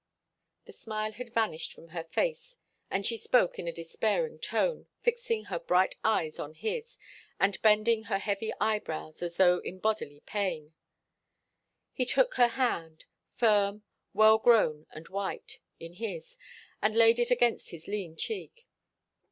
The smile had vanished from her face and she spoke in a despairing tone, fixing her big eyes on his, and bending her heavy eyebrows as though in bodily pain. He took her hand firm, well grown and white in his and laid it against his lean cheek.